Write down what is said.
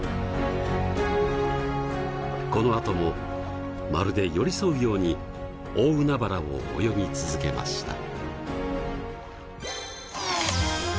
このあともまるで寄り添うように大海原を泳ぎ続けました。